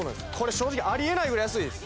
正直あり得ないぐらい安いです